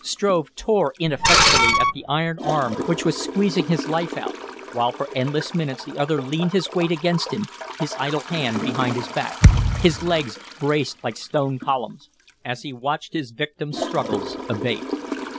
Strove tore ineffectually at the iron arm which was squeezing his life out, while for endless minutes the other leaned his weight against him, his idle hand behind his back, his legs braced like stone columns, as he watched his victim's struggles abate.